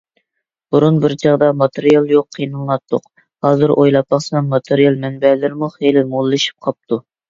بۇرۇن بىر چاغدا ماتېرىيال يوق قىينىلاتتۇق. ھازىر ئويلاپ باقسام ماتېرىيال مەنبەلىرىمۇ خېلى موللىشىپ قاپتۇ.